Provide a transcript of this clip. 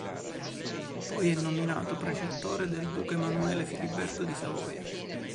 Poi è nominato precettore del duca Emanuele Filiberto di Savoia.